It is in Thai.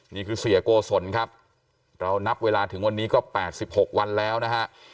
นี่คือเสียโกศลครับเรานับเวลาถึงวันนี้ก็๘๖วันแล้วนะฮะ